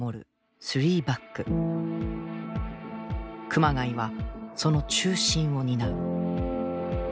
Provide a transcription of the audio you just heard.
熊谷はその中心を担う。